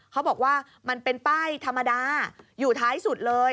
เขาบอกว่ามันเป็นป้ายธรรมดาอยู่ท้ายสุดเลย